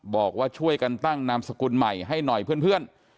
บอกว่าช่วยกันตั้งนามสกุลใหม่ให้หน่อยเพื่อน